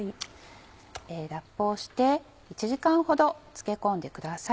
ラップをして１時間ほど漬け込んでください。